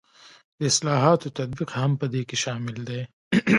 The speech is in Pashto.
د اصلاحاتو تطبیق هم په دې کې شامل دی.